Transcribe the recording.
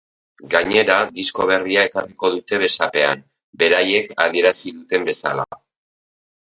Gainera, disko berria ekarriko dute besapean, beraiek adierazi duten bezala.